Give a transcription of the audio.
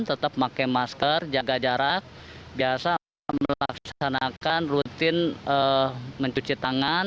tetap pakai masker jaga jarak biasa melaksanakan rutin mencuci tangan